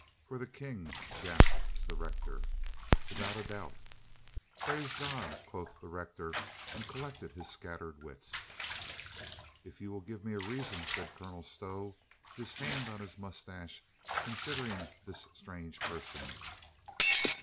"For the King?" gasped the rector. "Without doubt." "Praise God," quoth the rector, and collected his scattered wits. "If you will give me a reason," said Colonel Stow, his hand on his moustachio, considering this strange person.